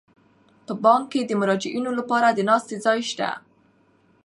په بانک کې د مراجعینو لپاره د ناستې ځای شته.